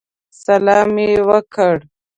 سلام یې وکړ.